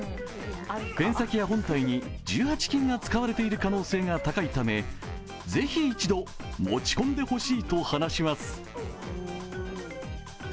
ペン先や本体に１８金が使われている可能性が高いためぜひ一度持ち込んでほしいと話します。